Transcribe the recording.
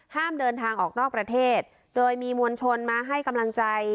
ห้ามเดินทางออกนอกประเทศโดยมีมวลชนมาให้กำลังใจ